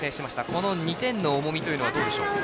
この２点の重みというのはどうでしょう？